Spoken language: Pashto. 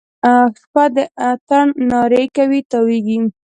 شپه د اتڼ نارې کوي تاویږي